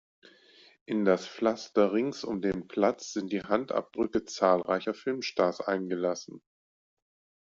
In das Pflaster rings um den Platz sind die Handabdrücke zahlreicher Filmstars eingelassen.